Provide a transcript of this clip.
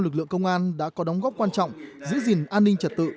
lực lượng công an đã có đóng góp quan trọng giữ gìn an ninh trật tự